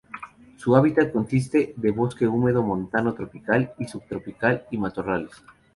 Su hábitat consiste de bosque húmedo montano tropical y subtropical y matorrales.